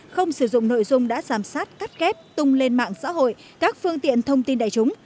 không sử dụng nội dung đã giám sát cắt kép tung lên mạng xã hội các phương tiện thông tin đại chúng